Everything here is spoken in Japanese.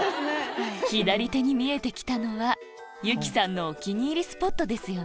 左手に見えてきたのは由貴さんのお気に入りスポットですよね？